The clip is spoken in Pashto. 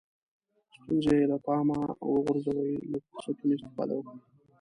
ستونزې له پامه وغورځوئ له فرصتونو استفاده وکړئ.